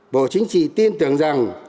bộ chính trị tin tưởng rằng